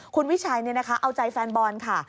คุณวิชัยเอาใจแฟนบอลค่ะ